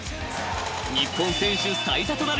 ［日本選手最多となるシーズン